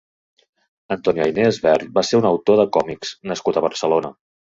Antonio Ayné Esbert va ser un autor de còmics nascut a Barcelona.